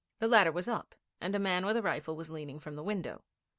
The ladder was up, and a man with a rifle was leaning from the window.